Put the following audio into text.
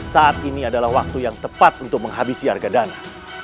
saat ini adalah waktu yang tepat untuk menghabisi argadana